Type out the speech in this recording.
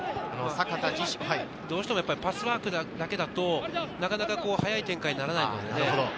どうしてもパスワークだけだと、なかなか早い展開にならない。